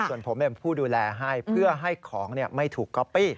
ส่วนผมเป็นผู้ดูแลให้เพื่อให้ของไม่ถูกก๊อปปี้